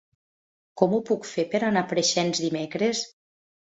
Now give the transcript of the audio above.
Com ho puc fer per anar a Preixens dimecres?